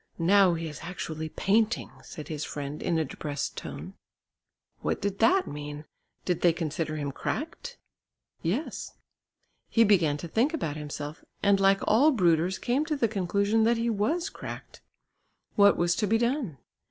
"Now he is actually painting," said his friend in a depressed tone. What did that mean? Did they consider him cracked? Yes. He began to think about himself, and like all brooders came to the conclusion that he was cracked. What was to be done?